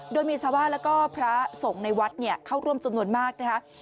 โดยมีชาวบ้านแล้วก็พระสงฆ์ในวัดเข้าร่วมจำนวนมากนะคะ